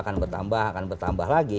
akan bertambah akan bertambah lagi